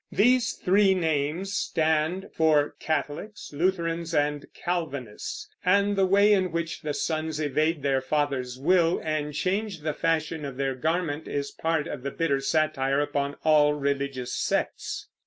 These three names stand for Catholics, Lutherans, and Calvinists; and the way in which the sons evade their father's will and change the fashion of their garment is part of the bitter satire upon all religious sects.